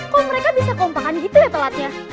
kok mereka bisa kompakan gitu ya telatnya